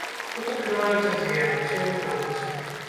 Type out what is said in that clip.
Тут адкрываюцца дзверы, усе выходзяць.